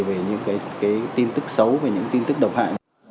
về những cái tin tức xấu về những tin tức độc hại